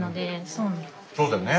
そうだよね。